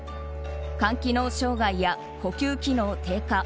肝機能障害や呼吸機能低下